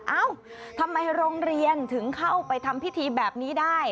เอ้าทำไมโรงเรียนถึงเข้าไปทำพิธีแบบนี้ได้